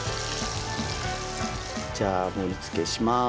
じゃあ盛りつけします。